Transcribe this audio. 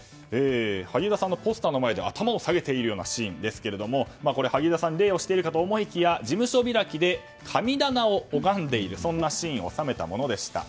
萩生田氏のポスターの前で頭を下げているシーンですけどもこれは萩生田さんに礼をしているかと思いきや事務所開きで神棚を拝んでいるシーンを収めたものでした。